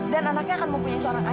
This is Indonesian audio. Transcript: dan anaknya akan mempunyai seorang ayah